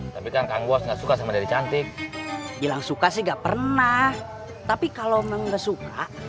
tapi kan kang bos gak suka sama dede cantik bilang suka sih gak pernah tapi kalau gak suka